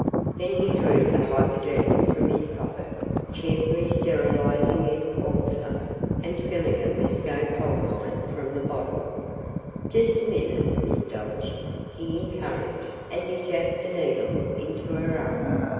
Then he drew the hypodermic from his pocket carefully sterilizing it, also, and filling it with scopolamine from the bottle. "Just a moment, Miss Dodge," he encouraged as he jabbed the needle into her arm.